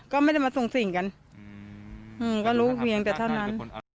ก็ไม่ได้มาส่งสิ่งกันก็รู้เพียงแต่เท่านั้น